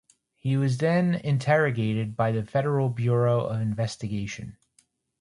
He was then interrogated by the Federal Bureau of Investigation.